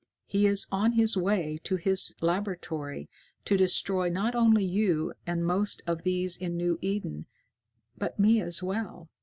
He is on his way to his laboratory to destroy not only you and most of these in New Eden, but me as well.